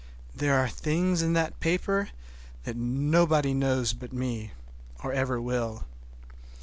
There are things in that paper that nobody knows but me, or ever will.